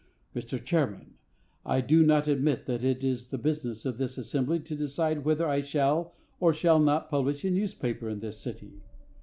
"Mr. Chairman, I do not admit that it is the business of this assembly to decide whether I shall or shall not publish a newspaper in this city.